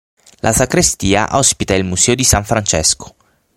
La sacrestia ospita il Museo di San Francesco.